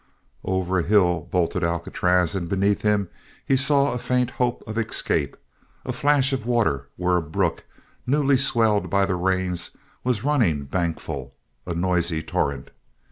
Over a hill bolted Alcatraz and beneath him he saw a faint hope of escape the flash of water where a brook, new swelled by the rains, was running bankfull, a noisy torrent.